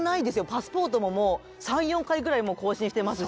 パスポートももう３４回ぐらい更新してますし。